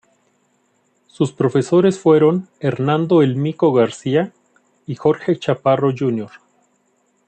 Sus profesores fueron Hernando "El Mico" García y Jorge Chaparro Jr.